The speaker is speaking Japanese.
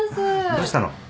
どうしたの？